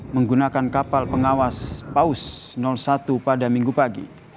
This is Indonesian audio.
menggunakan kapal pengawas paus satu pada minggu pagi